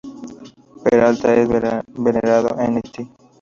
Peralta es venerado en Haití.